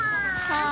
はい。